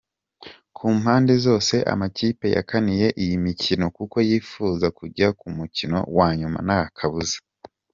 Ku mpande zose amakipe yakaniye iyi mikino kuko yifuza kujya ku mukino wanyuma ntakabuza.